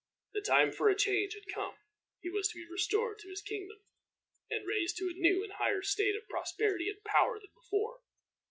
The time for a change had come. He was to be restored to his kingdom, and raised to a new and higher state of prosperity and power than before.